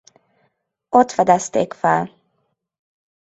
Ott fedezték fel.